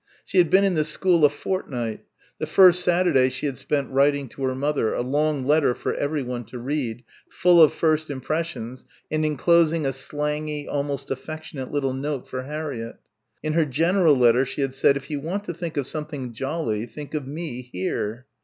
She had been in the school a fortnight the first Saturday she had spent writing to her mother a long letter for everyone to read, full of first impressions and enclosing a slangy almost affectionate little note for Harriett. In her general letter she had said, "If you want to think of something jolly, think of me, here."